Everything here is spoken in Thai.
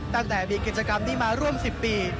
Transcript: ตั้งแต่มีกิจกรรมนี้มาร่วม๑๐ปี